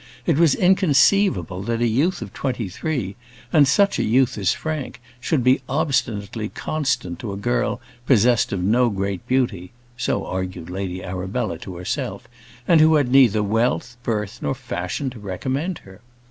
It was inconceivable that a youth of twenty three, and such a youth as Frank, should be obstinately constant to a girl possessed of no great beauty so argued Lady Arabella to herself and who had neither wealth, birth, nor fashion to recommend her.